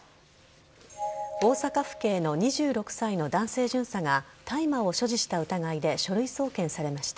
大阪府警の２６歳の男性巡査が大麻を所持した疑いで書類送検されました。